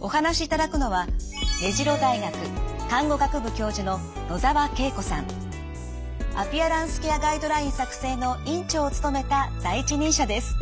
お話しいただくのはアピアランスケアガイドライン作成の委員長を務めた第一人者です。